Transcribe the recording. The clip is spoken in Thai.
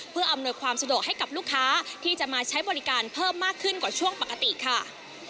เพื่ออำนวยความสะดวกให้กับลูกค้าที่จะมาใช้บริการเพิ่มมากขึ้นกว่าช่วงปกติค่ะ